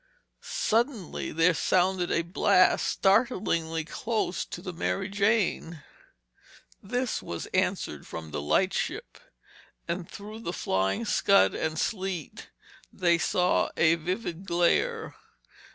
Suddenly there sounded a blast startlingly close to the Mary Jane. This was answered from the lightship, and through the flying scud and sleet they saw a vivid glare.